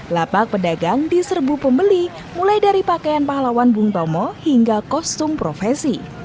lapak pedagang diserbu pembeli mulai dari pakaian pahlawan bung tomo hingga kostum profesi